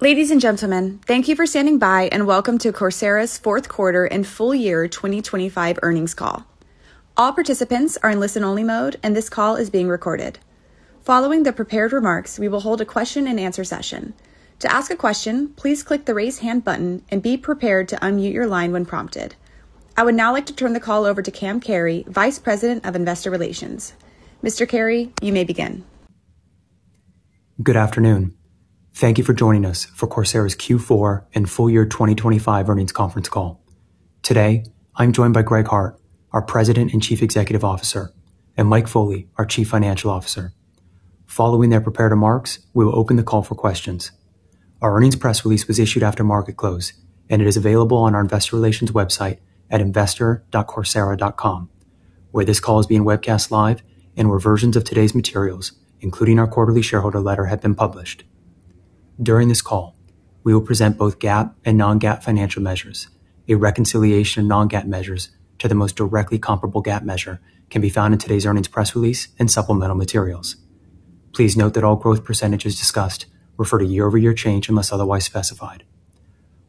Ladies and gentlemen, thank you for standing by and welcome to Coursera's fourth quarter and full year 2025 earnings call. All participants are in listen-only mode, and this call is being recorded. Following the prepared remarks, we will hold a question-and-answer session. To ask a question, please click the Raise Hand button and be prepared to unmute your line when prompted. I would now like to turn the call over to Cam Carey, Vice President of Investor Relations. Mr. Carey, you may begin. Good afternoon. Thank you for joining us for Coursera's Q4 and Full Year 2025 Earnings Conference Call. Today, I'm joined by Greg Hart, our President and Chief Executive Officer, and Mike Foley, our Chief Financial Officer. Following their prepared remarks, we will open the call for questions. Our earnings press release was issued after market close, and it is available on our investor relations website at investor.coursera.com, where this call is being webcast live and where versions of today's materials, including our quarterly shareholder letter, have been published. During this call, we will present both GAAP and non-GAAP financial measures. A reconciliation of non-GAAP measures to the most directly comparable GAAP measure can be found in today's earnings press release and supplemental materials. Please note that all growth percentages discussed refer to year-over-year change unless otherwise specified.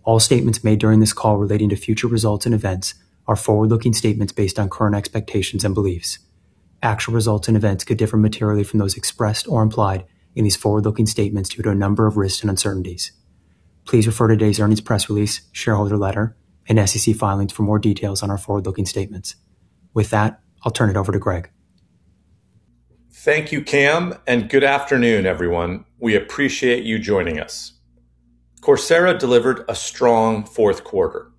All statements made during this call relating to future results and events are forward-looking statements based on current expectations and beliefs. Actual results and events could differ materially from those expressed or implied in these forward-looking statements due to a number of risks and uncertainties. Please refer to today's earnings press release, shareholder letter, and SEC filings for more details on our forward-looking statements. With that, I'll turn it over to Greg. Thank you, Cam, and good afternoon, everyone. We appreciate you joining us. Coursera delivered a strong fourth quarter.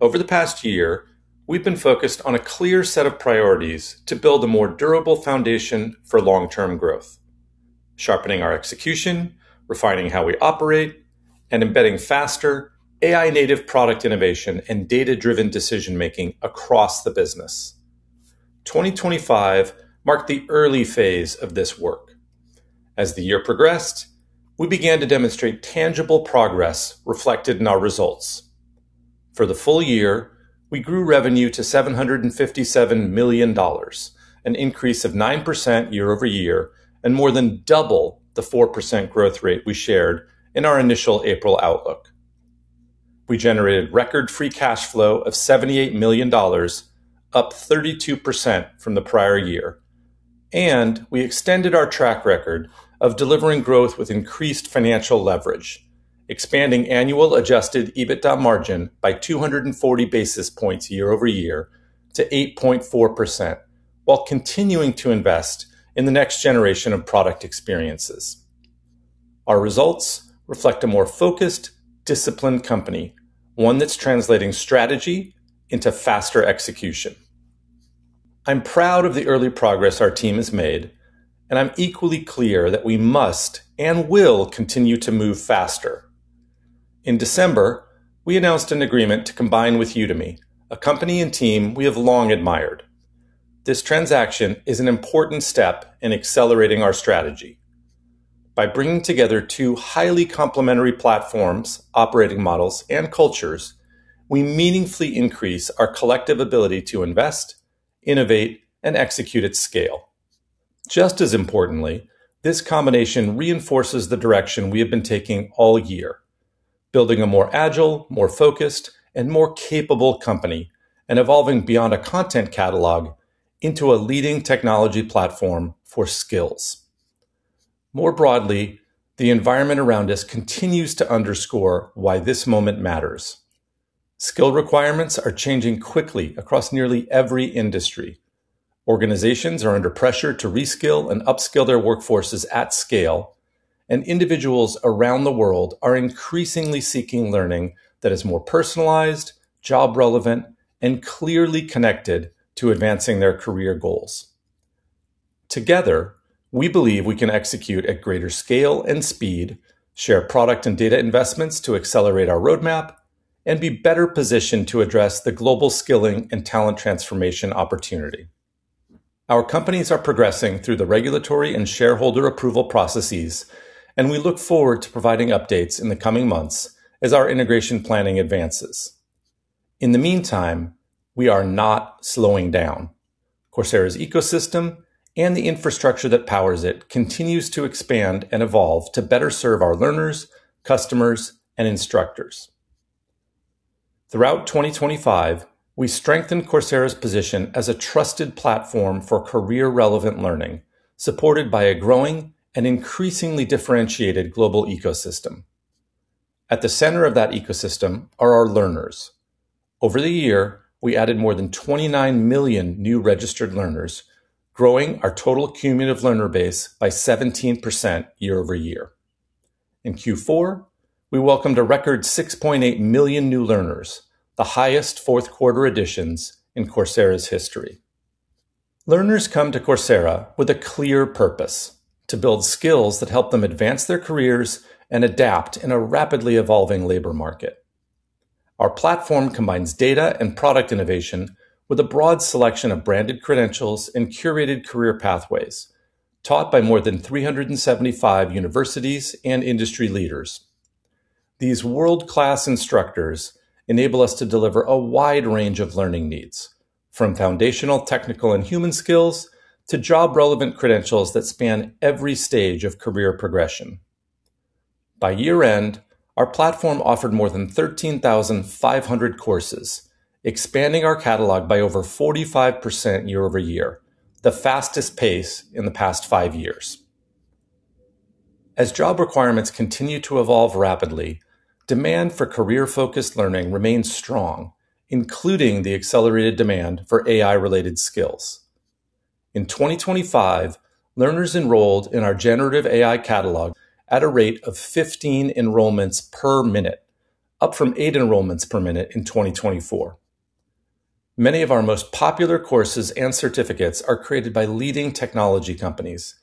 Over the past year, we've been focused on a clear set of priorities to build a more durable foundation for long-term growth, sharpening our execution, refining how we operate, and embedding faster AI-native product innovation and data-driven decision-making across the business. 2025 marked the early phase of this work. As the year progressed, we began to demonstrate tangible progress reflected in our results. For the full year, we grew revenue to $757 million, an increase of 9% year-over-year, and more than double the 4% growth rate we shared in our initial April outlook. We generated record free cash flow of $78 million, up 32% from the prior year. We extended our track record of delivering growth with increased financial leverage, expanding annual Adjusted EBITDA margin by 240 basis points year-over-year to 8.4%, while continuing to invest in the next generation of product experiences. Our results reflect a more focused, disciplined company, one that's translating strategy into faster execution. I'm proud of the early progress our team has made, and I'm equally clear that we must and will continue to move faster. In December, we announced an agreement to combine with Udemy, a company and team we have long admired. This transaction is an important step in accelerating our strategy. By bringing together two highly complementary platforms, operating models, and cultures, we meaningfully increase our collective ability to invest, innovate, and execute at scale. Just as importantly, this combination reinforces the direction we have been taking all year, building a more agile, more focused, and more capable company, and evolving beyond a content catalog into a leading technology platform for skills. More broadly, the environment around us continues to underscore why this moment matters. Skill requirements are changing quickly across nearly every industry. Organizations are under pressure to reskill and upskill their workforces at scale, and individuals around the world are increasingly seeking learning that is more personalized, job-relevant, and clearly connected to advancing their career goals. Together, we believe we can execute at greater scale and speed, share product and data investments to accelerate our roadmap, and be better positioned to address the global skilling and talent transformation opportunity. Our companies are progressing through the regulatory and shareholder approval processes, and we look forward to providing updates in the coming months as our integration planning advances. In the meantime, we are not slowing down. Coursera's ecosystem and the infrastructure that powers it continues to expand and evolve to better serve our learners, customers, and instructors. Throughout 2025, we strengthened Coursera's position as a trusted platform for career-relevant learning, supported by a growing and increasingly differentiated global ecosystem. At the center of that ecosystem are our learners. Over the year, we added more than 29 million new registered learners, growing our total cumulative learner base by 17% year-over-year. In Q4, we welcomed a record 6.8 million new learners, the highest fourth quarter additions in Coursera's history. Learners come to Coursera with a clear purpose: to build skills that help them advance their careers and adapt in a rapidly evolving labor market. Our platform combines data and product innovation with a broad selection of branded credentials and curated career pathways taught by more than 375 universities and industry leaders. These world-class instructors enable us to deliver a wide range of learning needs.... From foundational, technical, and human skills to job-relevant credentials that span every stage of career progression. By year-end, our platform offered more than 13,500 courses, expanding our catalog by over 45% year-over-year, the fastest pace in the past five years. As job requirements continue to evolve rapidly, demand for career-focused learning remains strong, including the accelerated demand for AI-related skills. In 2025, learners enrolled in our generative AI catalog at a rate of 15 enrollments per minute, up from 8 enrollments per minute in 2024. Many of our most popular courses and certificates are created by leading technology companies,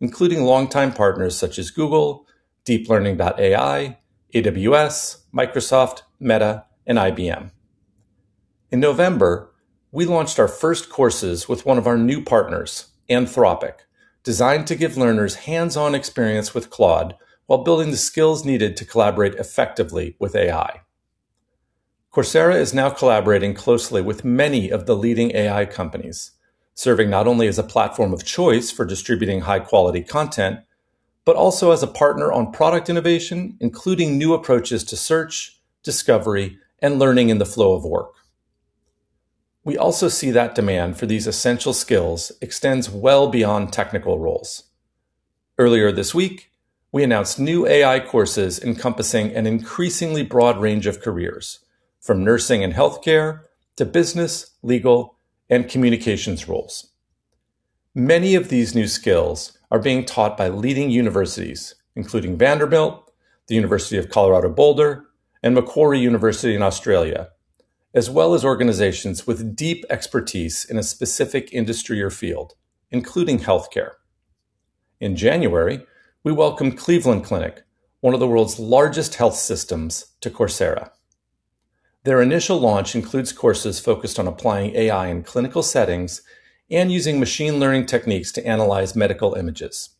including longtime partners such as Google, DeepLearning.AI, AWS, Microsoft, Meta, and IBM. In November, we launched our first courses with one of our new partners, Anthropic, designed to give learners hands-on experience with Claude while building the skills needed to collaborate effectively with AI. Coursera is now collaborating closely with many of the leading AI companies, serving not only as a platform of choice for distributing high-quality content, but also as a partner on product innovation, including new approaches to search, discovery, and learning in the flow of work. We also see that demand for these essential skills extends well beyond technical roles. Earlier this week, we announced new AI courses encompassing an increasingly broad range of careers, from nursing and healthcare to business, legal, and communications roles. Many of these new skills are being taught by leading universities, including Vanderbilt, the University of Colorado Boulder, and Macquarie University in Australia, as well as organizations with deep expertise in a specific industry or field, including healthcare. In January, we welcomed Cleveland Clinic, one of the world's largest health systems, to Coursera. Their initial launch includes courses focused on applying AI in clinical settings and using machine learning techniques to analyze medical images.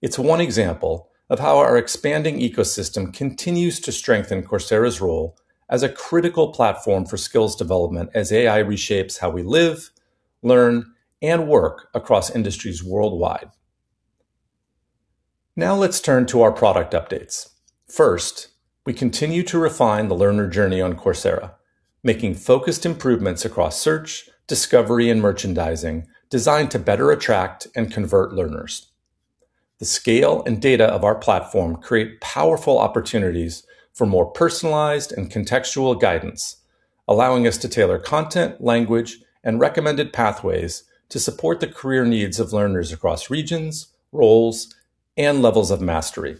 It's one example of how our expanding ecosystem continues to strengthen Coursera's role as a critical platform for skills development as AI reshapes how we live, learn, and work across industries worldwide. Now let's turn to our product updates. First, we continue to refine the learner journey on Coursera, making focused improvements across search, discovery, and merchandising designed to better attract and convert learners. The scale and data of our platform create powerful opportunities for more personalized and contextual guidance, allowing us to tailor content, language, and recommended pathways to support the career needs of learners across regions, roles, and levels of mastery.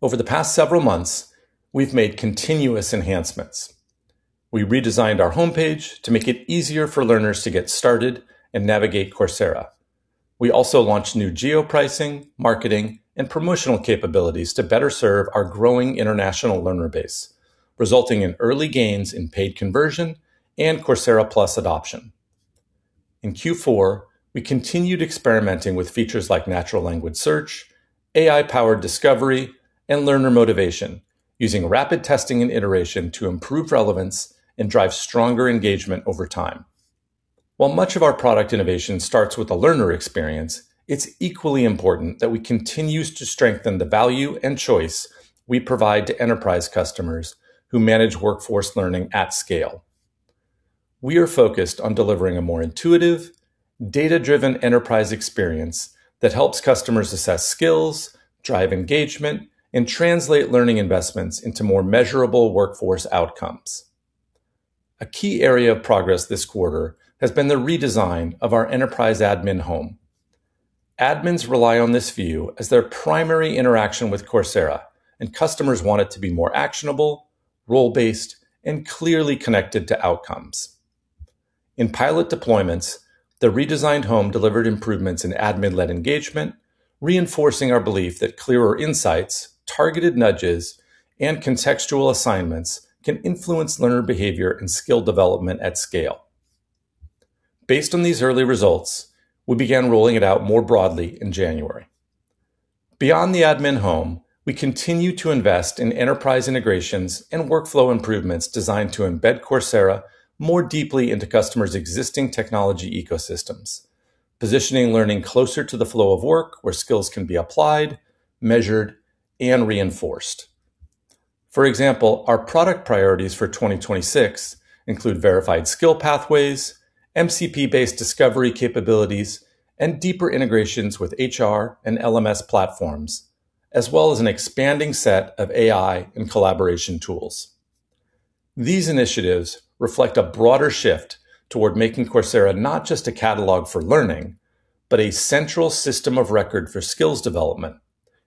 Over the past several months, we've made continuous enhancements. We redesigned our homepage to make it easier for learners to get started and navigate Coursera. We also launched new geo-pricing, marketing, and promotional capabilities to better serve our growing international learner base, resulting in early gains in paid conversion and Coursera Plus adoption. In Q4, we continued experimenting with features like natural language search, AI-powered discovery, and learner motivation, using rapid testing and iteration to improve relevance and drive stronger engagement over time. While much of our product innovation starts with the learner experience, it's equally important that we continue to strengthen the value and choice we provide to Enterprise customers who manage workforce learning at scale. We are focused on delivering a more intuitive, data-driven Enterprise experience that helps customers assess skills, drive engagement, and translate learning investments into more measurable workforce outcomes. A key area of progress this quarter has been the redesign of our Enterprise admin home. Admins rely on this view as their primary interaction with Coursera, and customers want it to be more actionable, role-based, and clearly connected to outcomes. In pilot deployments, the redesigned home delivered improvements in admin-led engagement, reinforcing our belief that clearer insights, targeted nudges, and contextual assignments can influence learner behavior and skill development at scale. Based on these early results, we began rolling it out more broadly in January. Beyond the admin home, we continue to invest in Enterprise integrations and workflow improvements designed to embed Coursera more deeply into customers' existing technology ecosystems, positioning learning closer to the flow of work, where skills can be applied, measured, and reinforced. For example, our product priorities for 2026 include verified skill pathways, MCP-based discovery capabilities, and deeper integrations with HR and LMS platforms, as well as an expanding set of AI and collaboration tools. These initiatives reflect a broader shift toward making Coursera not just a catalog for learning, but a central system of record for skills development,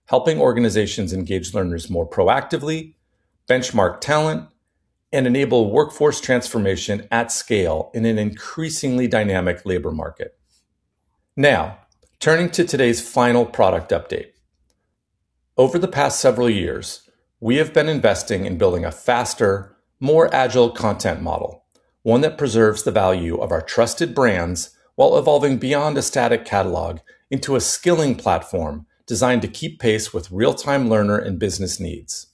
helping organizations engage learners more proactively, benchmark talent, and enable workforce transformation at scale in an increasingly dynamic labor market. Now, turning to today's final product update. Over the past several years, we have been investing in building a faster, more agile content model, one that preserves the value of our trusted brands while evolving beyond a static catalog into a skilling platform designed to keep pace with real-time learner and business needs.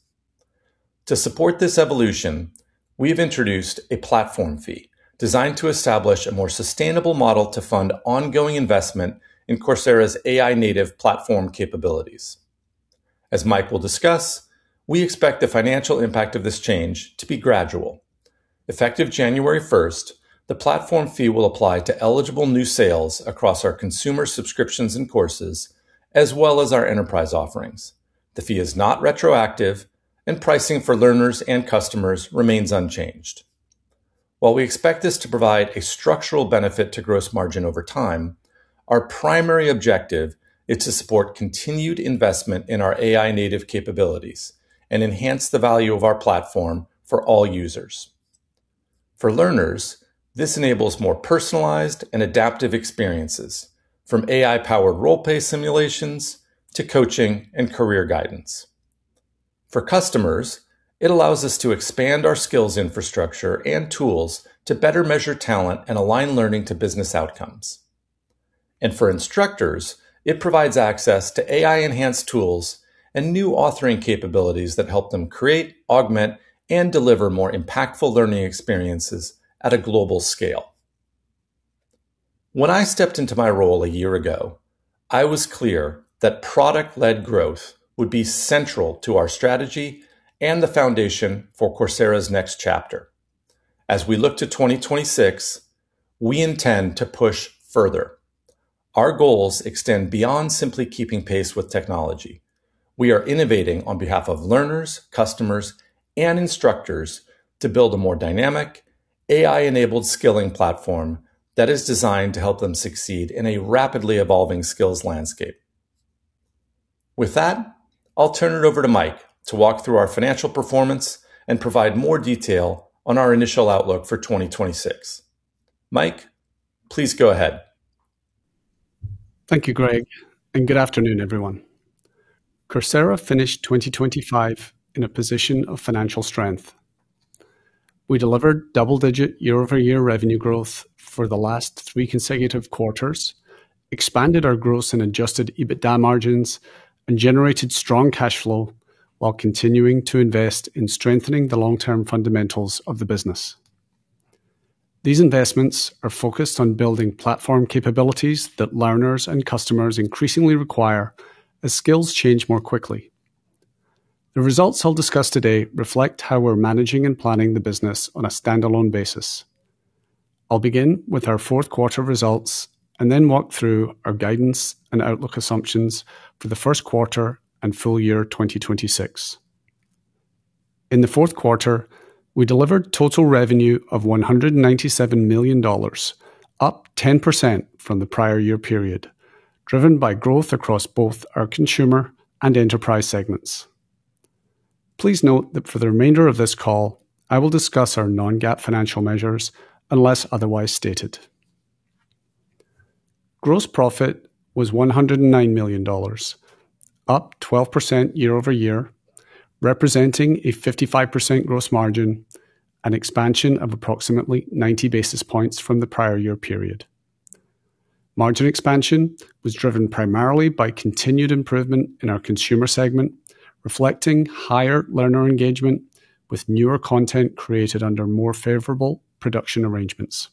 To support this evolution, we've introduced a Platform Fee designed to establish a more sustainable model to fund ongoing investment in Coursera's AI-native platform capabilities. As Mike will discuss, we expect the financial impact of this change to be gradual. Effective January first, the Platform Fee will apply to eligible new sales across our Consumer subscriptions and courses, as well as our Enterprise offerings. The fee is not retroactive, and pricing for learners and customers remains unchanged. While we expect this to provide a structural benefit to gross margin over time, our primary objective is to support continued investment in our AI-native capabilities and enhance the value of our platform for all users. For learners, this enables more personalized and adaptive experiences, from AI-powered role-play simulations to coaching and career guidance. For customers, it allows us to expand our skills, infrastructure, and tools to better measure talent and align learning to business outcomes. And for instructors, it provides access to AI-enhanced tools and new authoring capabilities that help them create, augment, and deliver more impactful learning experiences at a global scale. When I stepped into my role a year ago, I was clear that product-led growth would be central to our strategy and the foundation for Coursera's next chapter. As we look to 2026, we intend to push further. Our goals extend beyond simply keeping pace with technology. We are innovating on behalf of learners, customers, and instructors to build a more dynamic, AI-enabled skilling platform that is designed to help them succeed in a rapidly evolving skills landscape. With that, I'll turn it over to Mike to walk through our financial performance and provide more detail on our initial outlook for 2026. Mike, please go ahead. Thank you, Greg, and good afternoon, everyone. Coursera finished 2025 in a position of financial strength. We delivered double-digit year-over-year revenue growth for the last 3 consecutive quarters, expanded our gross and adjusted EBITDA margins, and generated strong cash flow while continuing to invest in strengthening the long-term fundamentals of the business. These investments are focused on building platform capabilities that learners and customers increasingly require as skills change more quickly. The results I'll discuss today reflect how we're managing and planning the business on a standalone basis. I'll begin with our fourth quarter results and then walk through our guidance and outlook assumptions for the first quarter and full year 2026. In the fourth quarter, we delivered total revenue of $197 million, up 10% from the prior year period, driven by growth across both our consumer and Enterprise segments. Please note that for the remainder of this call, I will discuss our non-GAAP financial measures, unless otherwise stated. Gross profit was $109 million, up 12% year-over-year, representing a 55% gross margin, an expansion of approximately 90 basis points from the prior year period. Margin expansion was driven primarily by continued improvement in our consumer segment, reflecting higher learner engagement with newer content created under more favorable production arrangements.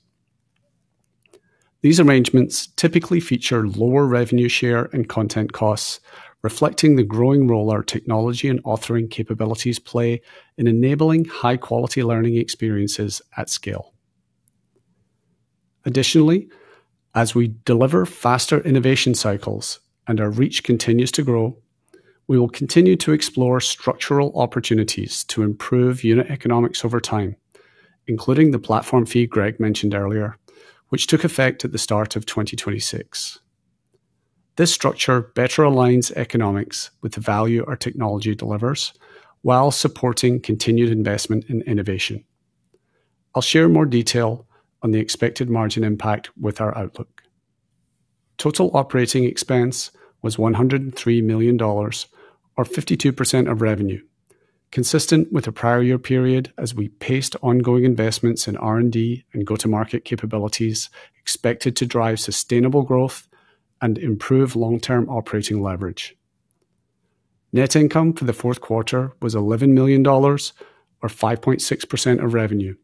These arrangements typically feature lower revenue share and content costs, reflecting the growing role our technology and authoring capabilities play in enabling high-quality learning experiences at scale. Additionally, as we deliver faster innovation cycles and our reach continues to grow, we will continue to explore structural opportunities to improve unit economics over time, including the Platform Fee Greg mentioned earlier, which took effect at the start of 2026. This structure better aligns economics with the value our technology delivers while supporting continued investment in innovation. I'll share more detail on the expected margin impact with our outlook. Total operating expense was $103 million or 52% of revenue, consistent with the prior year period as we paced ongoing investments in R&D and go-to-market capabilities expected to drive sustainable growth and improve long-term operating leverage. Net income for the fourth quarter was $11 million, or 5.6% of revenue,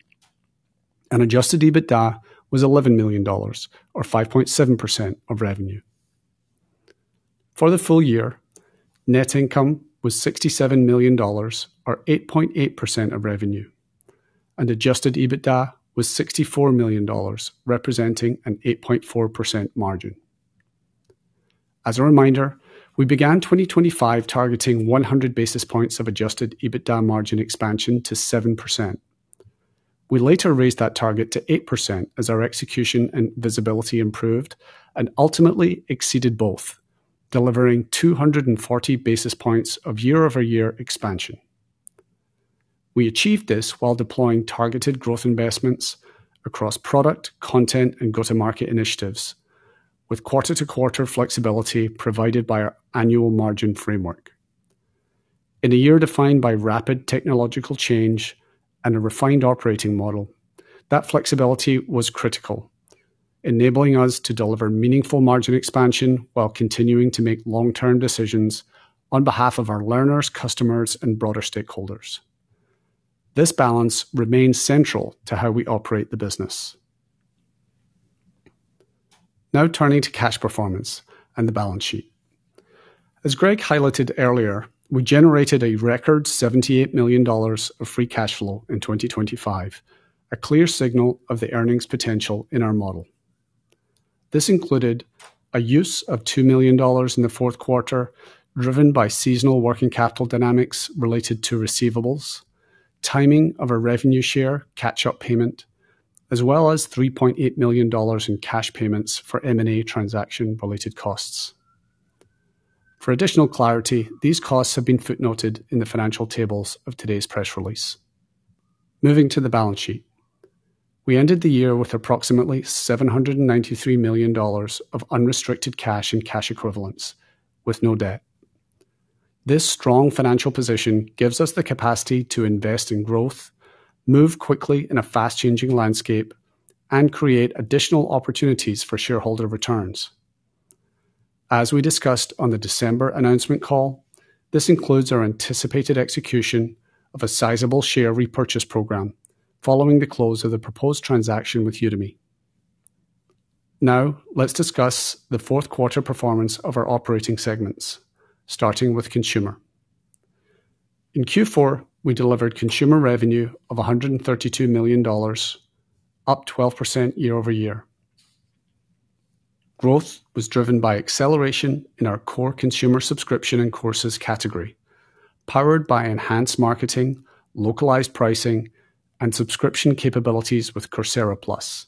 and adjusted EBITDA was $11 million, or 5.7% of revenue. For the full year, net income was $67 million, or 8.8% of revenue, and Adjusted EBITDA was $64 million, representing an 8.4% margin. As a reminder, we began 2025 targeting 100 basis points of Adjusted EBITDA margin expansion to 7%. We later raised that target to 8% as our execution and visibility improved and ultimately exceeded both, delivering 240 basis points of year-over-year expansion. We achieved this while deploying targeted growth investments across product, content, and go-to-market initiatives, with quarter-to-quarter flexibility provided by our annual margin framework. In a year defined by rapid technological change and a refined operating model, that flexibility was critical, enabling us to deliver meaningful margin expansion while continuing to make long-term decisions on behalf of our learners, customers, and broader stakeholders. This balance remains central to how we operate the business. Now, turning to cash performance and the balance sheet. As Greg highlighted earlier, we generated a record $78 million of free cash flow in 2025, a clear signal of the earnings potential in our model. This included a use of $2 million in the fourth quarter, driven by seasonal working capital dynamics related to receivables, timing of our revenue share, catch-up payment, as well as $3.8 million in cash payments for M&A transaction-related costs. For additional clarity, these costs have been footnoted in the financial tables of today's press release. Moving to the balance sheet. We ended the year with approximately $793 million of unrestricted cash and cash equivalents, with no debt. This strong financial position gives us the capacity to invest in growth, move quickly in a fast-changing landscape, and create additional opportunities for shareholder returns. As we discussed on the December announcement call, this includes our anticipated execution of a sizable share repurchase program following the close of the proposed transaction with Udemy. Now, let's discuss the fourth quarter performance of our operating segments, starting with consumer. In Q4, we delivered consumer revenue of $132 million, up 12% year-over-year. Growth was driven by acceleration in our core consumer subscription and courses category, powered by enhanced marketing, localized pricing, and subscription capabilities with Coursera Plus.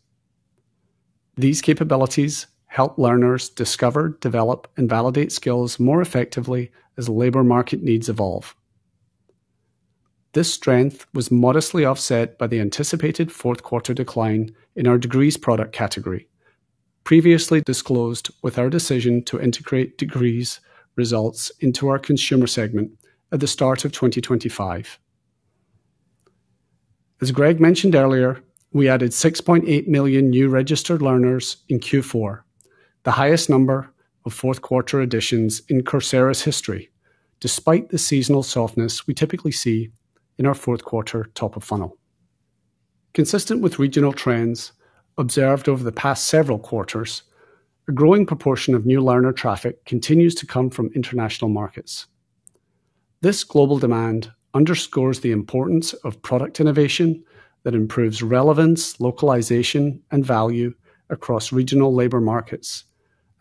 These capabilities help learners discover, develop, and validate skills more effectively as labor market needs evolve. This strength was modestly offset by the anticipated fourth quarter decline in our Degrees product category, previously disclosed with our decision to integrate Degrees results into our consumer segment at the start of 2025. As Greg mentioned earlier, we added 6.8 million new registered learners in Q4, the highest number of fourth quarter additions in Coursera's history, despite the seasonal softness we typically see in our fourth quarter top of funnel. Consistent with regional trends observed over the past several quarters, a growing proportion of new learner traffic continues to come from international markets. This global demand underscores the importance of product innovation that improves relevance, localization, and value across regional labor markets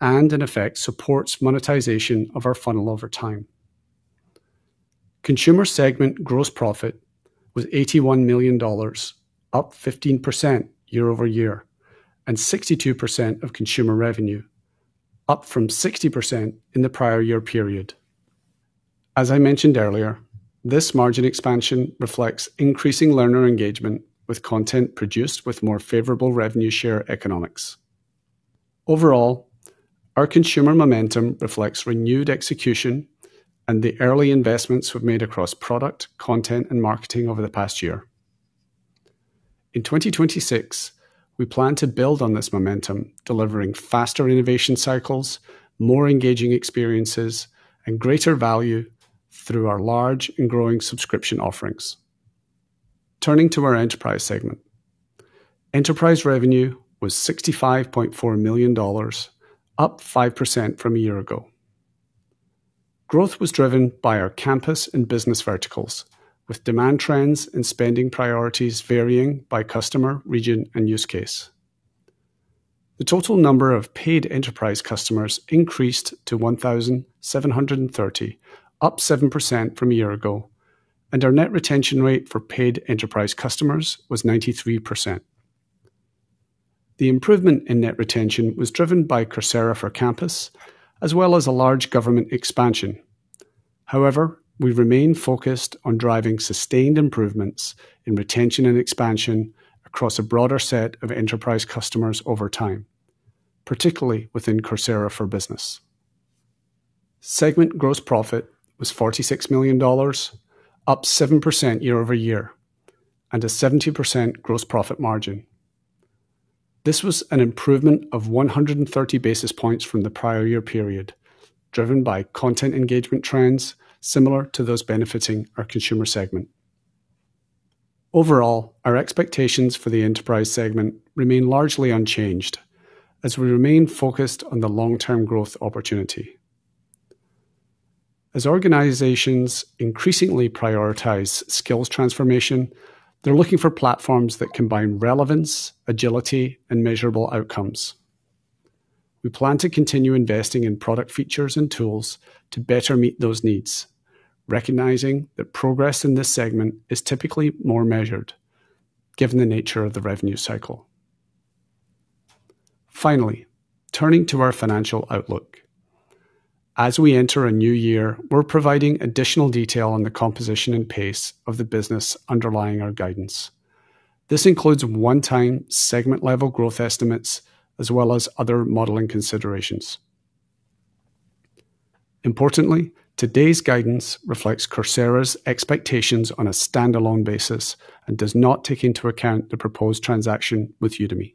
and, in effect, supports monetization of our funnel over time. Consumer segment gross profit was $81 million, up 15% year-over-year, and 62% of consumer revenue, up from 60% in the prior year period. As I mentioned earlier, this margin expansion reflects increasing learner engagement with content produced with more favorable revenue share economics. Overall, our consumer momentum reflects renewed execution and the early investments we've made across product, content, and marketing over the past year. In 2026, we plan to build on this momentum, delivering faster innovation cycles, more engaging experiences, and greater value through our large and growing subscription offerings. Turning to our Enterprise segment. Enterprise revenue was $65.4 million, up 5% from a year ago. Growth was driven by our Campus and Business verticals, with demand trends and spending priorities varying by customer, region, and use case. The total number of paid Enterprise customers increased to 1,730, up 7% from a year ago, and our net retention rate for paid Enterprise customers was 93%. The improvement in net retention was driven by Coursera for Campus, as well as a large government expansion. However, we remain focused on driving sustained improvements in retention and expansion across a broader set of Enterprise customers over time, particularly within Coursera for Business. Segment gross profit was $46 million, up 7% year-over-year, and a 70% gross profit margin. This was an improvement of 130 basis points from the prior year period, driven by content engagement trends similar to those benefiting our consumer segment. Overall, our expectations for the Enterprise segment remain largely unchanged as we remain focused on the long-term growth opportunity. As organizations increasingly prioritize skills transformation, they're looking for platforms that combine relevance, agility, and measurable outcomes. We plan to continue investing in product features and tools to better meet those needs, recognizing that progress in this segment is typically more measured, given the nature of the revenue cycle. Finally, turning to our financial outlook. As we enter a new year, we're providing additional detail on the composition and pace of the business underlying our guidance. This includes one-time segment-level growth estimates, as well as other modeling considerations. Importantly, today's guidance reflects Coursera's expectations on a standalone basis and does not take into account the proposed transaction with Udemy.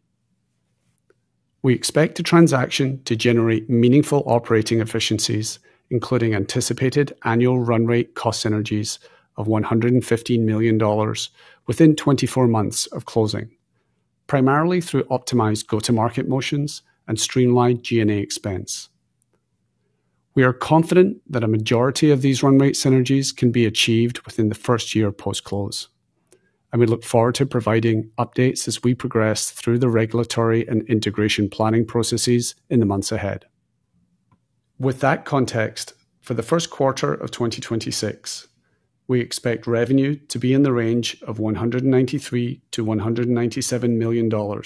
We expect the transaction to generate meaningful operating efficiencies, including anticipated annual run rate cost synergies of $115 million within 24 months of closing, primarily through optimized go-to-market motions and streamlined G&A expense. We are confident that a majority of these run rate synergies can be achieved within the first year of post-close, and we look forward to providing updates as we progress through the regulatory and integration planning processes in the months ahead. With that context, for the first quarter of 2026, we expect revenue to be in the range of $193 million-$197 million,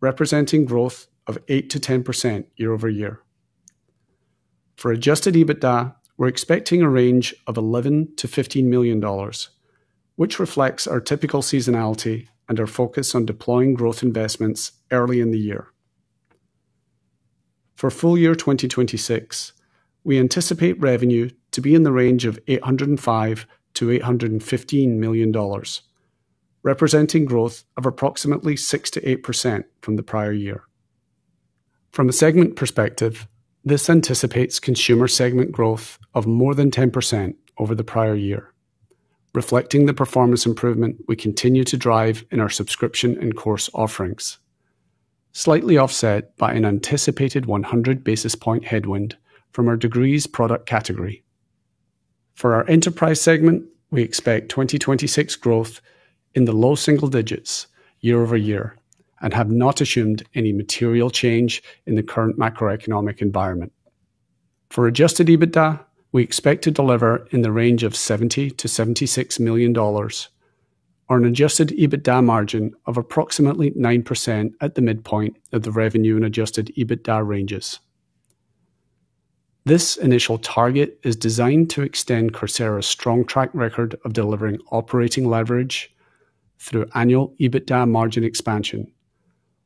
representing growth of 8%-10% year-over-year. For Adjusted EBITDA, we're expecting a range of $11 million-$15 million, which reflects our typical seasonality and our focus on deploying growth investments early in the year. For full year 2026, we anticipate revenue to be in the range of $805 million-$815 million, representing growth of approximately 6%-8% from the prior year. From a segment perspective, this anticipates consumer segment growth of more than 10% over the prior year, reflecting the performance improvement we continue to drive in our subscription and course offerings, slightly offset by an anticipated 100 basis point headwind from our Degrees product category. For our Enterprise segment, we expect 2026 growth in the low single digits year-over-year and have not assumed any material change in the current macroeconomic environment. For Adjusted EBITDA, we expect to deliver in the range of $70-$76 million on an Adjusted EBITDA margin of approximately 9% at the midpoint of the revenue and Adjusted EBITDA ranges. This initial target is designed to extend Coursera's strong track record of delivering operating leverage through annual EBITDA margin expansion,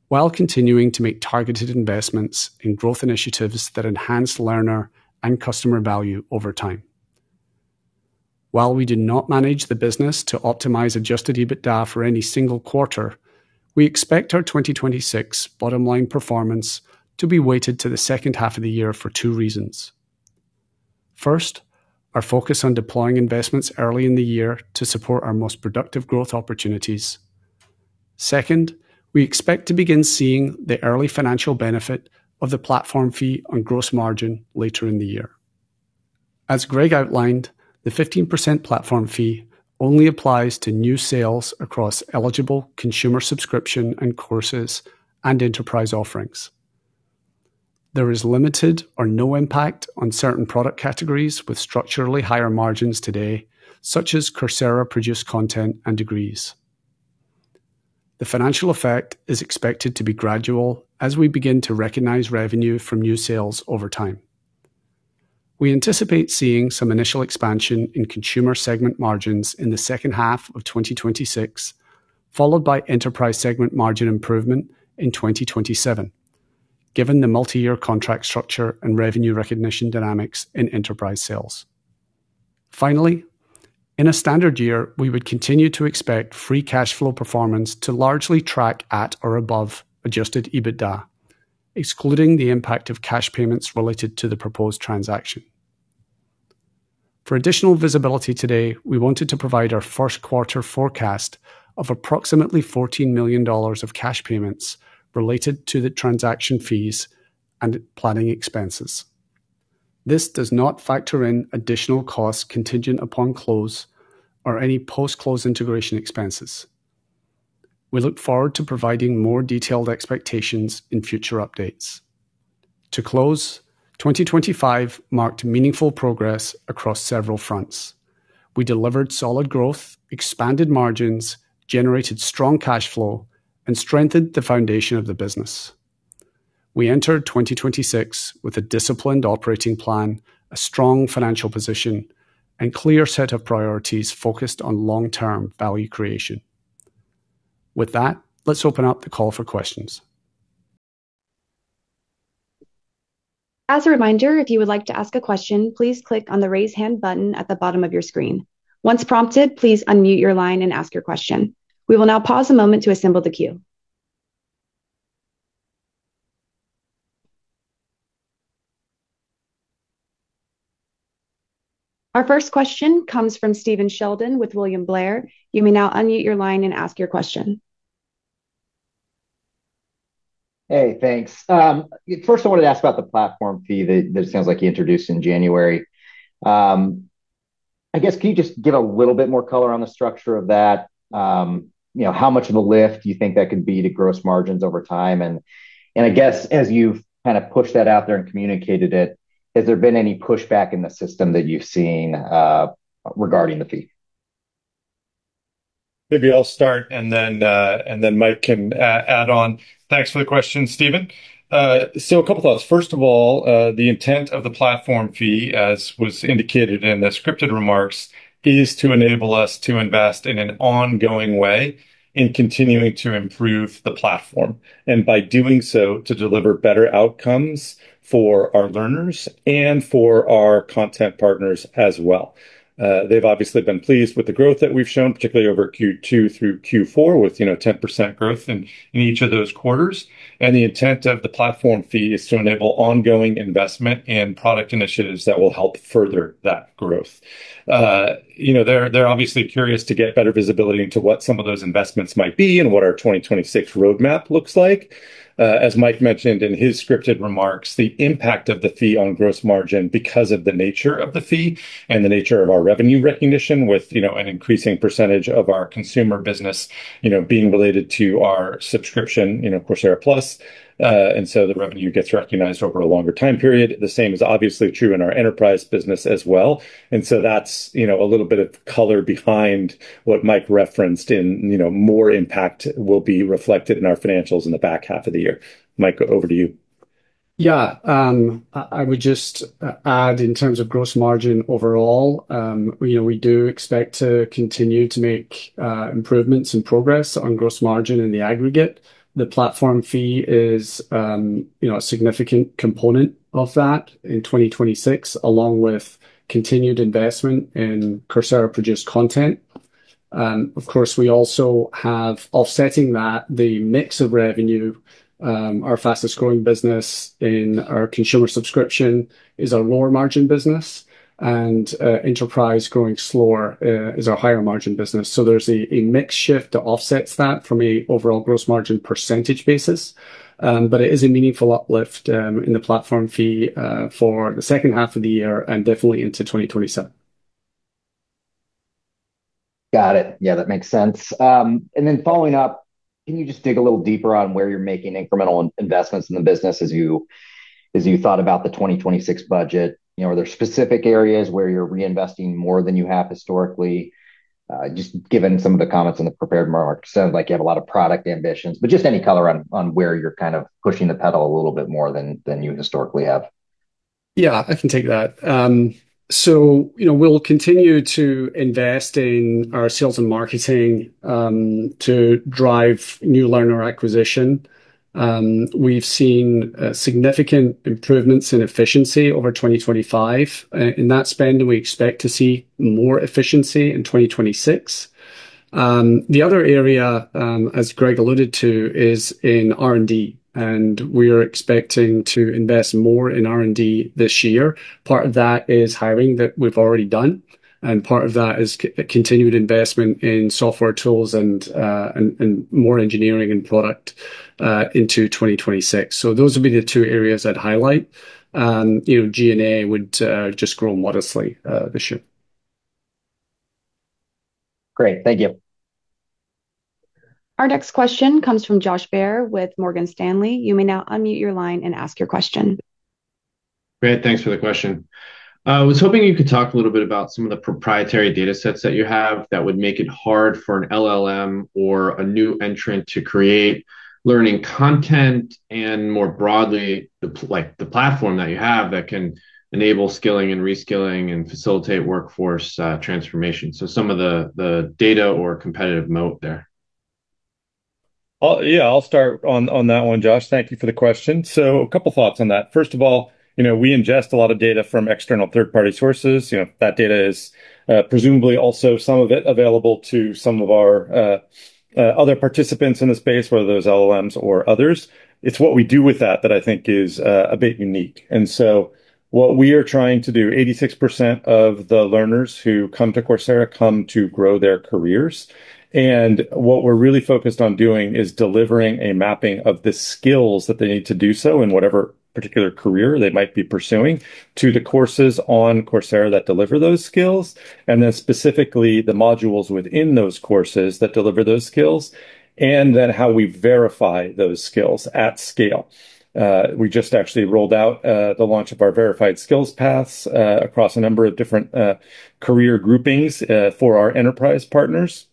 while continuing to make targeted investments in growth initiatives that enhance learner and customer value over time. While we did not manage the business to optimize Adjusted EBITDA for any single quarter, we expect our 2026 bottom line performance to be weighted to the second half of the year for two reasons. First, our focus on deploying investments early in the year to support our most productive growth opportunities. Second, we expect to begin seeing the early financial benefit of the Platform Fee on gross margin later in the year. As Greg outlined, the 15% Platform Fee only applies to new sales across eligible consumer subscription and courses and Enterprise offerings. There is limited or no impact on certain product categories with structurally higher margins today, such as Coursera-produced content and Degrees. The financial effect is expected to be gradual as we begin to recognize revenue from new sales over time. We anticipate seeing some initial expansion in consumer segment margins in the second half of 2026, followed by Enterprise segment margin improvement in 2027, given the multi-year contract structure and revenue recognition dynamics in Enterprise sales. Finally, in a standard year, we would continue to expect free cash flow performance to largely track at or above Adjusted EBITDA, excluding the impact of cash payments related to the proposed transaction. For additional visibility today, we wanted to provide our first quarter forecast of approximately $14 million of cash payments related to the transaction fees and planning expenses. This does not factor in additional costs contingent upon close or any post-close integration expenses. We look forward to providing more detailed expectations in future updates. To close, 2025 marked meaningful progress across several fronts. We delivered solid growth, expanded margins, generated strong cash flow, and strengthened the foundation of the business. We entered 2026 with a disciplined operating plan, a strong financial position, and clear set of priorities focused on long-term value creation. With that, let's open up the call for questions. As a reminder, if you would like to ask a question, please click on the Raise Hand button at the bottom of your screen. Once prompted, please unmute your line and ask your question. We will now pause a moment to assemble the queue. Our first question comes from Stephen Sheldon with William Blair. You may now unmute your line and ask your question. Hey, thanks. First, I wanted to ask about the Platform Fee that sounds like you introduced in January. I guess, can you just give a little bit more color on the structure of that? You know, how much of a lift do you think that could be to gross margins over time? And, I guess as you've kind of pushed that out there and communicated it, has there been any pushback in the system that you've seen regarding the fee?... Maybe I'll start, and then Mike can add on. Thanks for the question, Stephen. So, a couple thoughts. First of all, the intent of the Platform Fee, as was indicated in the scripted remarks, is to enable us to invest in an ongoing way in continuing to improve the platform, and by doing so, to deliver better outcomes for our learners and for our content partners as well. They've obviously been pleased with the growth that we've shown, particularly over Q2 through Q4, with, you know, 10% growth in each of those quarters. And the intent of the Platform Fee is to enable ongoing investment and product initiatives that will help further that growth. You know, they're obviously curious to get better visibility into what some of those investments might be and what our 2026 roadmap looks like. As Mike mentioned in his scripted remarks, the impact of the fee on gross margin, because of the nature of the fee and the nature of our revenue recognition with, you know, an increasing percentage of our consumer business, you know, being related to our subscription, you know, Coursera Plus. And so, the revenue gets recognized over a longer time period. The same is obviously true in our Enterprise business as well. And so that's, you know, a little bit of color behind what Mike referenced in... You know, more impact will be reflected in our financials in the back half of the year. Mike, over to you. Yeah. I would just add, in terms of gross margin overall, we know we do expect to continue to make improvements and progress on gross margin in the aggregate. The Platform Fee is, you know, a significant component of that in 2026, along with continued investment in Coursera-produced content. Of course, we also have, offsetting that, the mix of revenue. Our fastest growing business in our consumer subscription is our lower-margin business, and Enterprise, growing slower, is our higher-margin business. So, there's a mix shift that offsets that from a overall gross margin percentage basis. But it is a meaningful uplift in the Platform Fee for the second half of the year and definitely into 2027. Got it. Yeah, that makes sense. Then following up, can you just dig a little deeper on where you're making incremental investments in the business as you thought about the 2026 budget? You know, are there specific areas where you're reinvesting more than you have historically? Just given some of the comments in the prepared remarks, it sounds like you have a lot of product ambitions. But just any color on where you're kind of pushing the pedal a little bit more than you historically have. Yeah, I can take that. So, you know, we'll continue to invest in our sales and marketing to drive new learner acquisition. We've seen significant improvements in efficiency over 2025. In that spend, we expect to see more efficiency in 2026. The other area, as Greg alluded to, is in R&D, and we are expecting to invest more in R&D this year. Part of that is hiring that we've already done, and part of that is continued investment in software tools and more engineering and product into 2026. So, those would be the two areas I'd highlight. You know, G&A would just grow modestly this year. Great. Thank you. Our next question comes from Josh Baer with Morgan Stanley. You may now unmute your line and ask your question. Great, thanks for the question. I was hoping you could talk a little bit about some of the proprietary datasets that you have that would make it hard for an LLM or a new entrant to create learning content and, more broadly, like, the platform that you have that can enable skilling and reskilling and facilitate workforce transformation. So, some of the, the data or competitive moat there. Yeah, I'll start on that one, Josh. Thank you for the question. So, a couple thoughts on that. First of all, you know, we ingest a lot of data from external third-party sources. You know, that data is presumably also, some of it, available to some of our other participants in the space, whether those are LLMs or others. It's what we do with that that I think is a bit unique. What we are trying to do, 86% of the learners who come to Coursera come to grow their careers, and what we're really focused on doing is delivering a mapping of the skills that they need to do so in whatever particular career they might be pursuing to the courses on Coursera that deliver those skills, and then specifically the modules within those courses that deliver those skills, and then how we verify those skills at scale. We just actually rolled out the launch of our verified skills paths across a number of different career groupings for our Enterprise partners,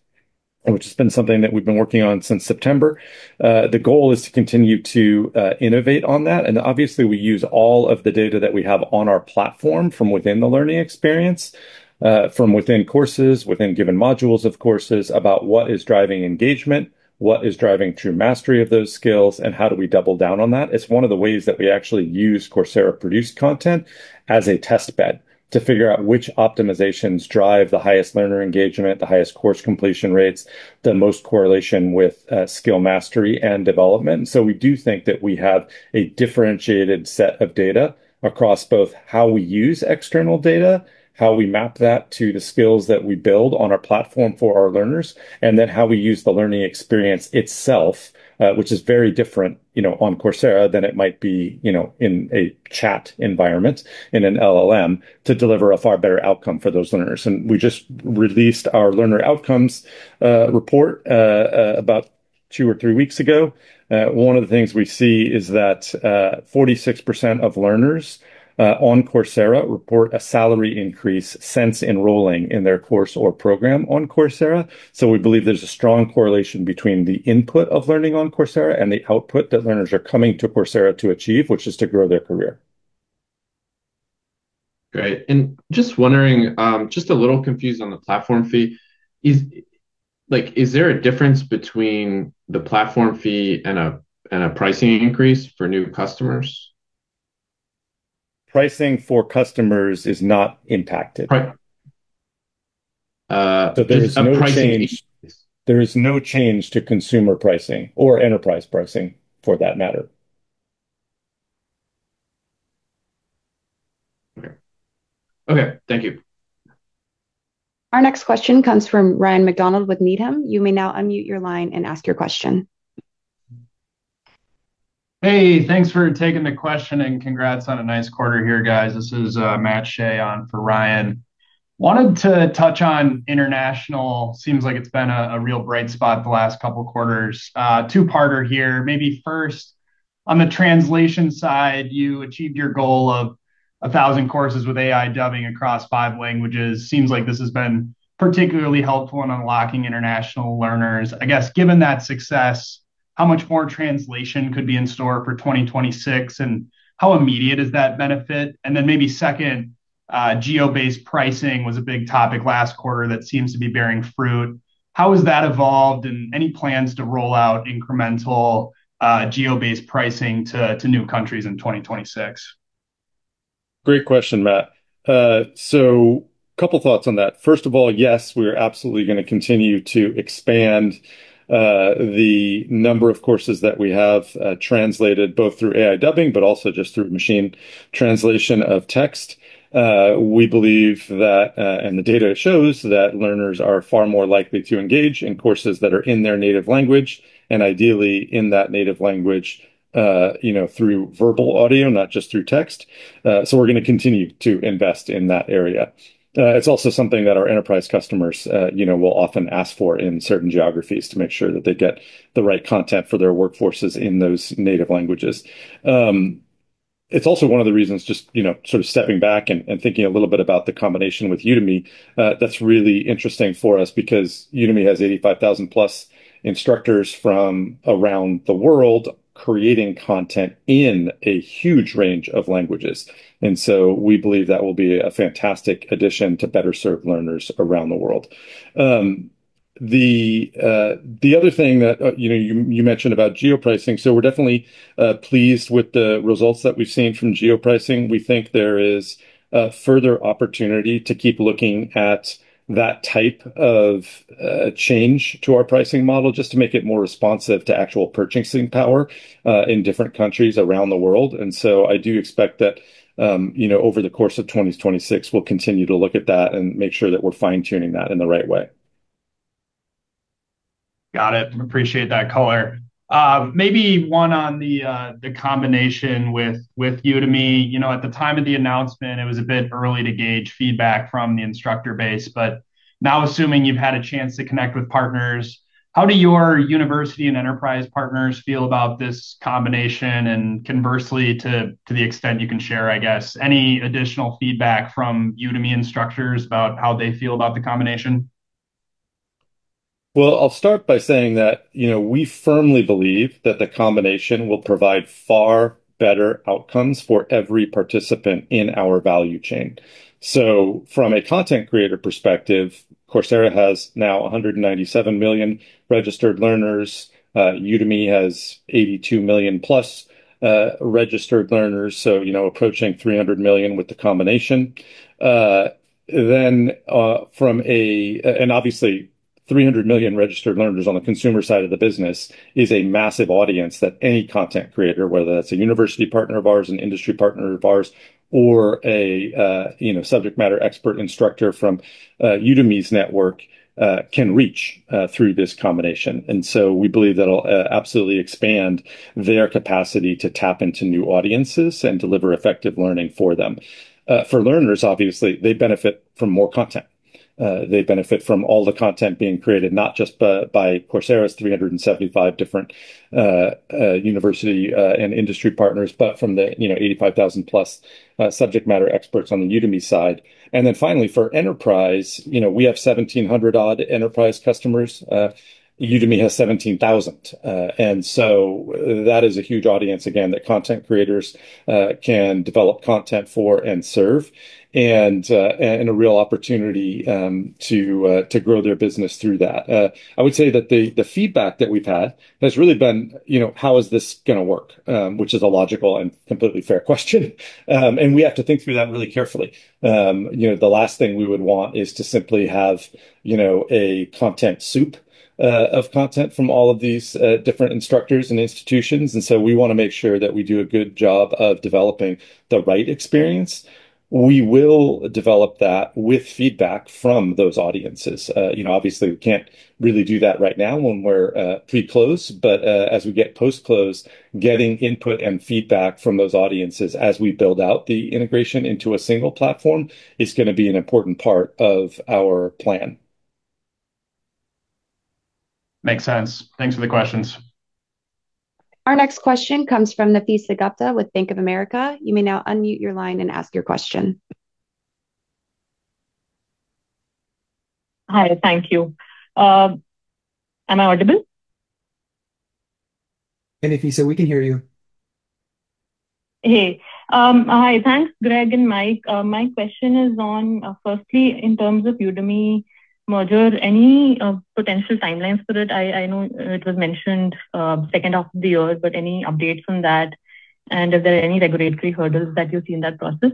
which has been something that we've been working on since September. The goal is to continue to innovate on that. And obviously, we use all of the data that we have on our platform from within the learning experience, from within courses, within given modules of courses, about what is driving engagement, what is driving true mastery of those skills, and how do we double down on that. It's one of the ways that we actually use Coursera-produced content as a test bed to figure out which optimizations drive the highest learner engagement, the highest course completion rates, the most correlation with, skill mastery and development. And so, we do think that we have a differentiated set of data across both how we use external data, how we map that to the skills that we build on our platform for our learners, and then how we use the learning experience itself, which is very different, you know, on Coursera than it might be, you know, in a chat environment, in an LLM, to deliver a far better outcome for those learners. And we just released our learner outcomes report two or three weeks ago. One of the things we see is that 46% of learners on Coursera report a salary increase since enrolling in their course or program on Coursera. So, we believe there's a strong correlation between the input of learning on Coursera and the output that learners are coming to Coursera to achieve, which is to grow their career. Great. Just wondering, just a little confused on the Platform Fee. Is, like, is there a difference between the Platform Fee and a, and a pricing increase for new customers? Pricing for customers is not impacted. Right. But there is no change- There is no change to consumer pricing or Enterprise pricing, for that matter. Okay. Okay, thank you. Our next question comes from Ryan MacDonald with Needham. You may now unmute your line and ask your question. Hey, thanks for taking the question, and congrats on a nice quarter here, guys. This is, Matt Shea on for Ryan. Wanted to touch on international. Seems like it's been a real bright spot the last couple of quarters. Two-parter here. Maybe first, on the translation side, you achieved your goal of 1,000 courses with AI dubbing across five languages. Seems like this has been particularly helpful in unlocking international learners. I guess, given that success, how much more translation could be in store for 2026, and how immediate is that benefit? And then maybe second, geo-based pricing was a big topic last quarter that seems to be bearing fruit. How has that evolved, and any plans to roll out incremental, geo-based pricing to new countries in 2026? Great question, Matt. So, couple thoughts on that. First of all, yes, we are absolutely going to continue to expand the number of courses that we have translated, both through AI dubbing, but also just through machine translation of text. We believe that, and the data shows that learners are far more likely to engage in courses that are in their native language, and ideally in that native language, you know, through verbal audio, not just through text. So, we're going to continue to invest in that area. It's also something that our Enterprise customers, you know, will often ask for in certain geographies to make sure that they get the right content for their workforces in those native languages. It's also one of the reasons just, you know, sort of stepping back and thinking a little bit about the combination with Udemy. That's really interesting for us because Udemy has 85,000+ instructors from around the world creating content in a huge range of languages, and so we believe that will be a fantastic addition to better serve learners around the world. The other thing that, you know, you mentioned about geo-pricing, so we're definitely pleased with the results that we've seen from geo-pricing. We think there is a further opportunity to keep looking at that type of change to our pricing model, just to make it more responsive to actual purchasing power in different countries around the world. And so, I do expect that, you know, over the course of 2026, we'll continue to look at that and make sure that we're fine-tuning that in the right way. Got it. Appreciate that color. Maybe one on the, the combination with, with Udemy. You know, at the time of the announcement, it was a bit early to gauge feedback from the instructor base, but now, assuming you've had a chance to connect with partners, how do your University and Enterprise partners feel about this combination? And conversely, to, to the extent you can share, I guess, any additional feedback from Udemy instructors about how they feel about the combination? Well, I'll start by saying that, you know, we firmly believe that the combination will provide far better outcomes for every participant in our value chain. So, from a content creator perspective, Coursera has now 197 million registered learners. Udemy has 82 million plus registered learners, so, you know, approaching 300 million with the combination. Then from a and obviously, 300 million registered learners on the consumer side of the business is a massive audience that any content creator, whether that's a university partner of ours, an industry partner of ours, or a you know, subject matter expert instructor from Udemy's network can reach through this combination. And so, we believe that'll absolutely expand their capacity to tap into new audiences and deliver effective learning for them. For learners, obviously, they benefit from more content. They benefit from all the content being created, not just by Coursera's 375 different University and Industry partners, but from the, you know, 85,000+ subject matter experts on the Udemy side. And then finally, for Enterprise, you know, we have 1,700-odd Enterprise customers. Udemy has 17,000. And so that is a huge audience, again, that content creators can develop content for and serve, and a real opportunity to grow their business through that. I would say that the feedback that we've had has really been, you know, how is this going to work? Which is a logical and completely fair question, and we have to think through that really carefully. You know, the last thing we would want is to simply have, you know, a content soup of content from all of these different instructors and institutions, and so we want to make sure that we do a good job of developing the right experience. We will develop that with feedback from those audiences. You know, obviously, we can't really do that right now when we're pre-close, but as we get post-close, getting input and feedback from those audiences as we build out the integration into a single platform is going to be an important part of our plan. Makes sense. Thanks for the questions. Our next question comes from Nafeesa Gupta with Bank of America. You may now unmute your line and ask your question. Hi, thank you. Am I audible? Hey, Nafeesa, we can hear you. Hey. Hi. Thanks, Greg and Mike. My question is on, firstly, in terms of Udemy merger, any potential timelines for it? I know it was mentioned, second half of the year, but any updates on that, and are there any regulatory hurdles that you see in that process?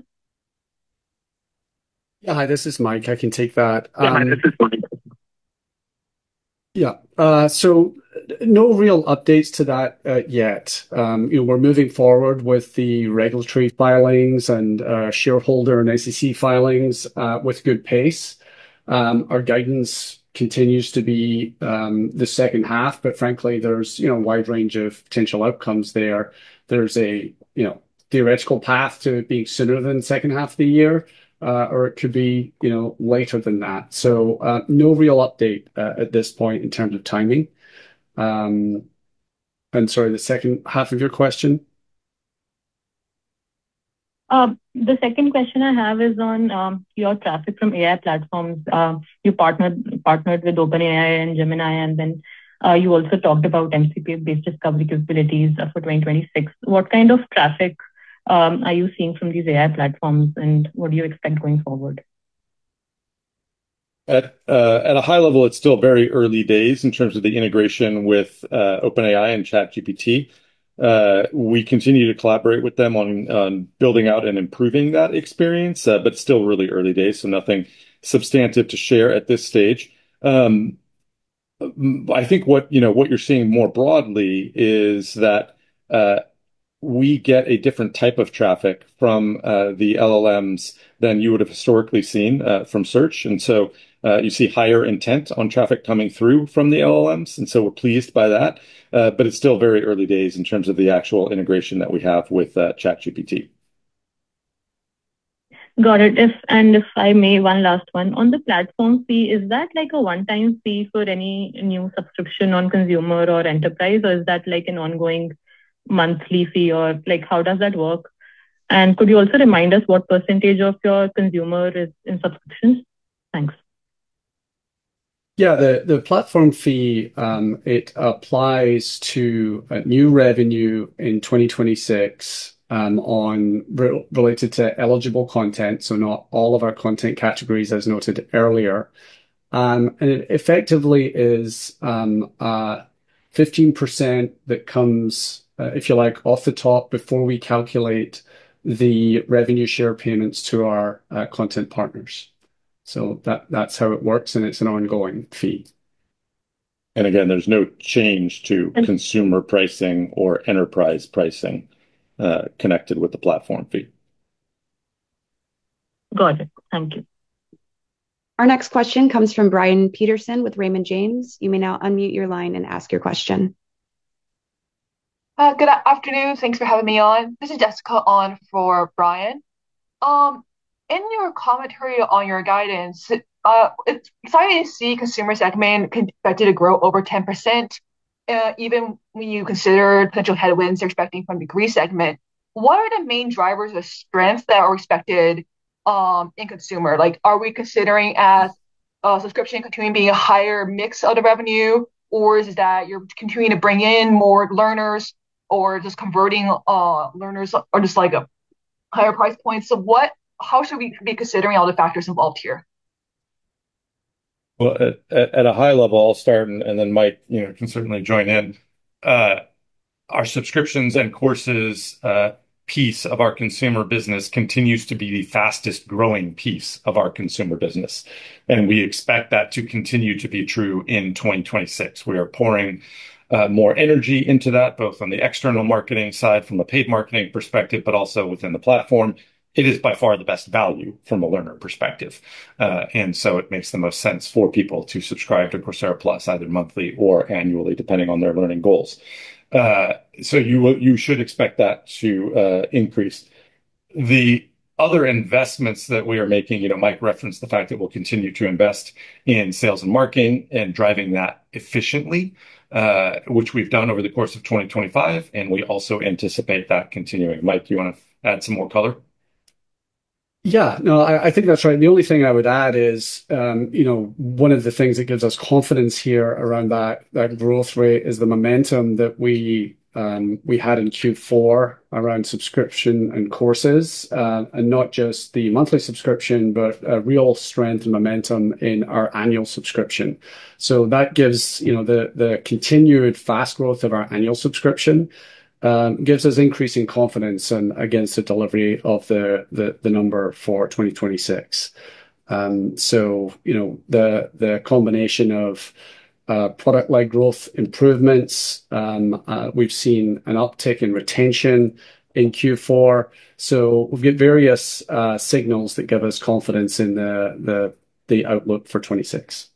Yeah. Hi, this is Mike. I can take that. Hi, this is Mike. Yeah, so no real updates to that, yet. You know, we're moving forward with the regulatory filings and, shareholder and SEC filings, with good pace. Our guidance continues to be, the second half, but frankly, there's, you know, a wide range of potential outcomes there. There's a, you know, theoretical path to it being sooner than the second half of the year, or it could be, you know, later than that. So, no real update, at this point in terms of timing. And sorry, the second half of your question? The second question I have is on your traffic from AI platforms. You partnered with OpenAI and Gemini, and then you also talked about MCP-based discovery capabilities for 2026. What kind of traffic are you seeing from these AI platforms, and what do you expect going forward? At a high level, it's still very early days in terms of the integration with OpenAI and ChatGPT. We continue to collaborate with them on building out and improving that experience, but still really early days, so nothing substantive to share at this stage. I think what you know, what you're seeing more broadly is that we get a different type of traffic from the LLMs than you would have historically seen from search. And so, you see higher intent on traffic coming through from the LLMs, and so we're pleased by that. But it's still very early days in terms of the actual integration that we have with ChatGPT. Got it. If, and if I may, one last one. On the Platform Fee, is that like a one-time fee for any new subscription on consumer or Enterprise, or is that like an ongoing monthly fee, or like how does that work? And could you also remind us what percentage of your consumer is in subscriptions? Thanks. Yeah, the Platform Fee, it applies to new revenue in 2026, related to eligible content, so not all of our content categories, as noted earlier. And it effectively is 15% that comes, if you like, off the top before we calculate the revenue share payments to our content partners. So, that's how it works, and it's an ongoing fee. Again, there's no change to consumer pricing or Enterprise pricing connected with the Platform Fee. Got it. Thank you. Our next question comes from Brian Peterson with Raymond James. You may now unmute your line and ask your question. Good afternoon. Thanks for having me on. This is Jessica on for Brian. In your commentary on your guidance, it's exciting to see consumer segment expected to grow over 10%, even when you consider potential headwinds you're expecting from degree segment. What are the main drivers or strengths that are expected in consumer? Like, are we considering as subscription continuing being a higher mix of the revenue, or is that you're continuing to bring in more learners, or just converting learners, or just like a higher price point? So, how should we be considering all the factors involved here? Well, at a high level, I'll start, and then Mike, you know, can certainly join in. Our subscriptions and courses piece of our consumer business continues to be the fastest-growing piece of our consumer business, and we expect that to continue to be true in 2026. We are pouring more energy into that, both on the external marketing side, from a paid marketing perspective, but also within the platform. It is by far the best value from a learner perspective. And so, it makes the most sense for people to subscribe to Coursera Plus, either monthly or annually, depending on their learning goals. So, you will--you should expect that to increase. The other investments that we are making, you know, Mike referenced the fact that we'll continue to invest in sales and marketing and driving that efficiently, which we've done over the course of 2025, and we also anticipate that continuing. Mike, do you want to add some more color? Yeah, no, I think that's right. The only thing I would add is, you know, one of the things that gives us confidence here around that, that growth rate is the momentum that we had in Q4 around subscription and courses, and not just the monthly subscription, but a real strength and momentum in our annual subscription. So, that gives, you know, the, the continued fast growth of our annual subscription, gives us increasing confidence and against the delivery of the, the, the number for 2026. So, you know, the combination of product-led growth improvements, we've seen an uptick in retention in Q4, so we've got various signals that give us confidence in the, the, the outlook for 2026....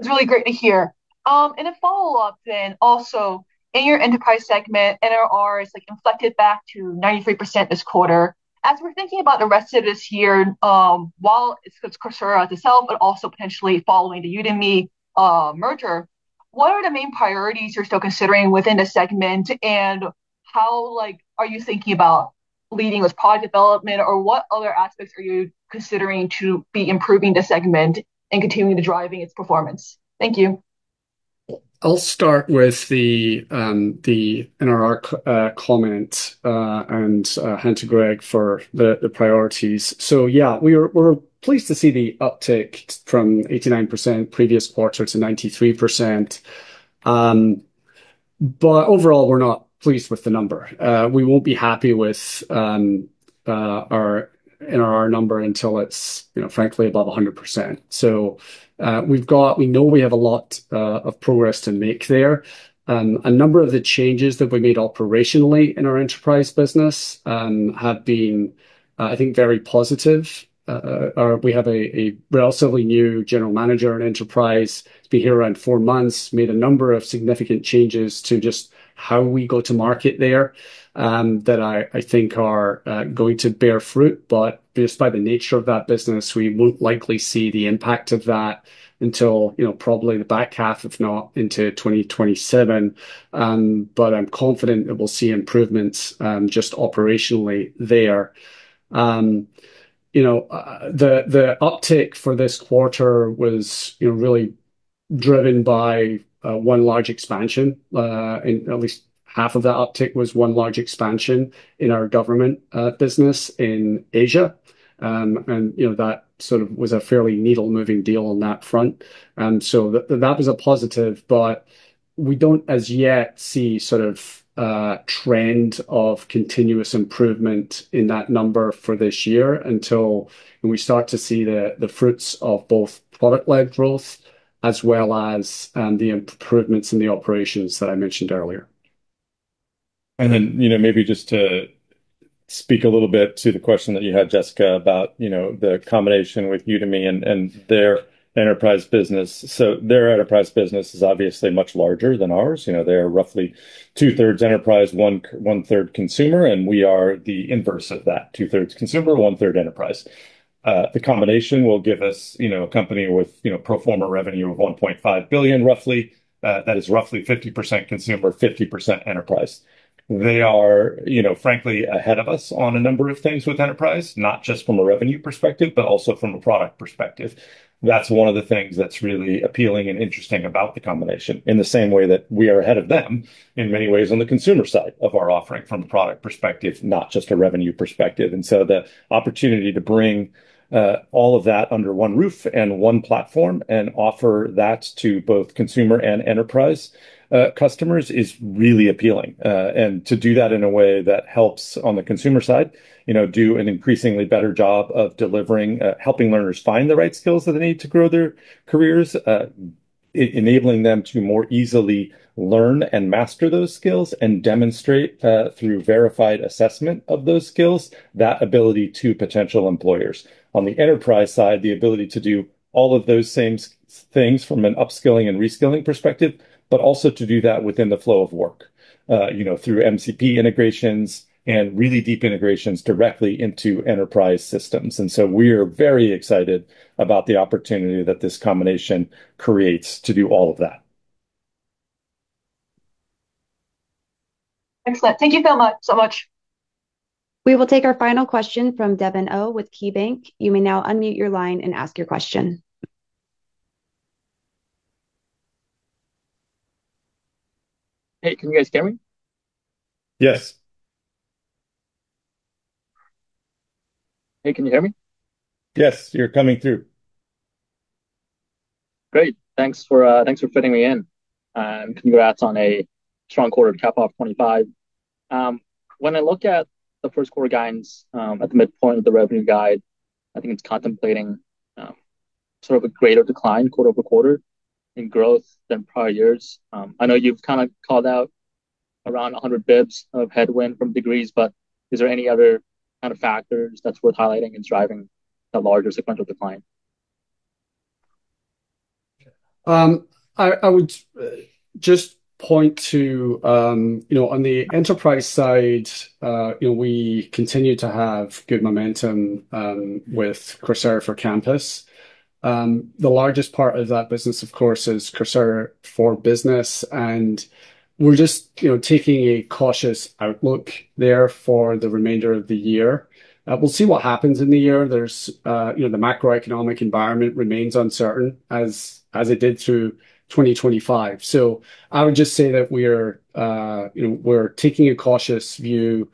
It's really great to hear. And a follow-up then also, in your Enterprise segment, NRR is, like, inflected back to 93% this quarter. As we're thinking about the rest of this year, while it's Coursera itself, but also potentially following the Udemy merger, what are the main priorities you're still considering within the segment, and how, like, are you thinking about leading with product development? Or what other aspects are you considering to be improving the segment and continuing to driving its performance? Thank you. I'll start with the NRR comment and hand to Greg for the priorities. So, yeah, we were pleased to see the uptick from 89% previous quarter to 93%. But overall, we're not pleased with the number. We won't be happy with our NRR number until it's, you know, frankly, above 100%. So, we've got. We know we have a lot of progress to make there. A number of the changes that we made operationally in our Enterprise business have been, I think, very positive. We have a relatively new General Manager in Enterprise, been here around four months, made a number of significant changes to just how we go to market there, that I think are going to bear fruit, but just by the nature of that business, we won't likely see the impact of that until, you know, probably the back half, if not into 2027. But I'm confident that we'll see improvements just operationally there. You know, the uptick for this quarter was, you know, really driven by one large expansion, and at least half of that uptick was one large expansion in our government business in Asia. And, you know, that sort of was a fairly needle-moving deal on that front, and so that was a positive, but we don't, as yet, see sort of a trend of continuous improvement in that number for this year until we start to see the fruits of both product-led growth as well as the improvements in the operations that I mentioned earlier. You know, maybe just to speak a little bit to the question that you had, Jessica, about, you know, the combination with Udemy and their Enterprise business. So, their Enterprise business is obviously much larger than ours. You know, they are roughly 2/3 Enterprise, 1/3 consumer, and we are the inverse of that, 2/3 consumer, 1/3 Enterprise. The combination will give us, you know, a company with, you know, pro forma revenue of $1.5 billion, roughly. That is roughly 50% consumer, 50% Enterprise. They are, you know, frankly, ahead of us on a number of things with Enterprise, not just from a revenue perspective, but also from a product perspective. That's one of the things that's really appealing and interesting about the combination, in the same way that we are ahead of them in many ways on the consumer side of our offering from a product perspective, not just a revenue perspective. And so, the opportunity to bring all of that under one roof and one platform and offer that to both consumer and Enterprise customers is really appealing. And to do that in a way that helps on the consumer side, you know, do an increasingly better job of delivering, helping learners find the right skills that they need to grow their careers, enabling them to more easily learn and master those skills and demonstrate through verified assessment of those skills, that ability to potential employers. On the Enterprise side, the ability to do all of those same things from an upskilling and reskilling perspective, but also to do that within the flow of work, you know, through MCP integrations and really deep integrations directly into Enterprise systems. And so, we are very excited about the opportunity that this combination creates to do all of that. Excellent. Thank you so much, so much. We will take our final question from Devin Au with KeyBanc. You may now unmute your line and ask your question. Hey, can you guys hear me? Yes. Hey, can you hear me? Yes, you're coming through. Great. Thanks for fitting me in, and congrats on a strong quarter to cap off 2025. When I look at the first quarter guidance, at the midpoint of the revenue guide, I think it's contemplating sort of a greater decline quarter-over-quarter in growth than prior years. I know you've kind of called out around 100 basis points of headwind from degrees, but is there any other kind of factors that's worth highlighting and driving the larger sequential decline? I would just point to, you know, on the Enterprise side, you know, we continue to have good momentum with Coursera for Campus. The largest part of that Business, of course, is Coursera for Business, and we're just, you know, taking a cautious outlook there for the remainder of the year. We'll see what happens in the year. There's, you know, the macroeconomic environment remains uncertain, as it did through 2025. So, I would just say that we're, you know, we're taking a cautious view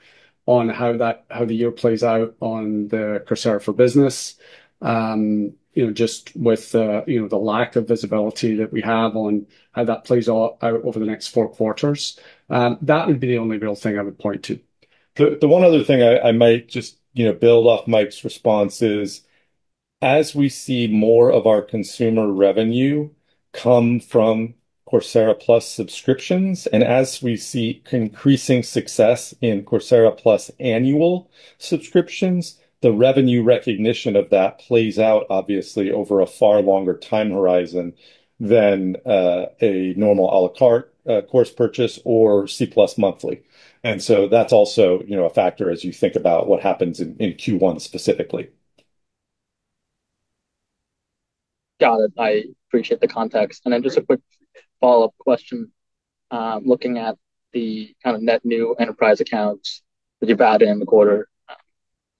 on how the year plays out on the Coursera for Business. You know, just with, you know, the lack of visibility that we have on how that plays out over the next four quarters. That would be the only real thing I would point to. The one other thing I might just, you know, build off Mike's response is, as we see more of our consumer revenue come from Coursera Plus subscriptions, and as we see increasing success in Coursera Plus annual subscriptions, the revenue recognition of that plays out obviously over a far longer time horizon than a normal a la carte course purchase or C Plus monthly. And so that's also, you know, a factor as you think about what happens in Q1 specifically. Got it. I appreciate the context. And then just a quick follow-up question. Looking at the kind of net new Enterprise accounts that you've added in the quarter,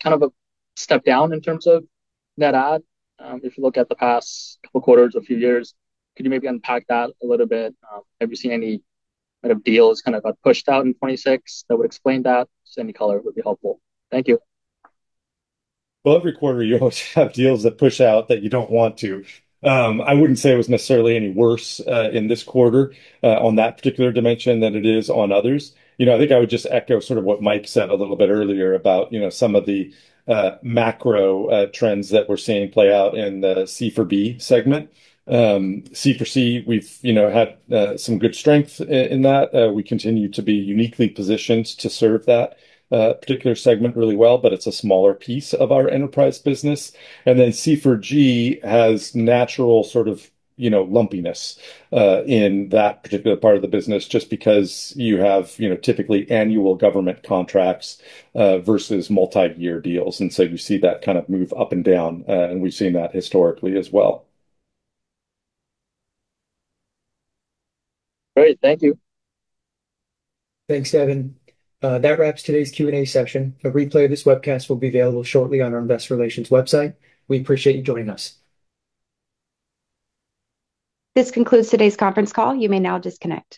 kind of a step down in terms of net add, if you look at the past couple quarters or few years, could you maybe unpack that a little bit? Have you seen any kind of deals kind of got pushed out in 2026 that would explain that? Just any color would be helpful. Thank you. Well, every quarter you always have deals that push out that you don't want to. I wouldn't say it was necessarily any worse in this quarter on that particular dimension than it is on others. You know, I think I would just echo sort of what Mike said a little bit earlier about, you know, some of the macro trends that we're seeing play out in the C4B segment. C4C, we've, you know, had some good strength in that. We continue to be uniquely positioned to serve that particular segment really well, but it's a smaller piece of our Enterprise business. And then C4G has natural sort of, you know, lumpiness in that particular part of the Business, just because you have, you know, typically annual government contracts versus multi-year deals. And so, you see that kind of move up and down, and we've seen that historically as well. Great. Thank you. Thanks, Devin. That wraps today's Q&A session. A replay of this webcast will be available shortly on our investor relations website. We appreciate you joining us. This concludes today's conference call. You may now disconnect.